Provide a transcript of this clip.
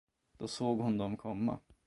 Då såg hon dem komma.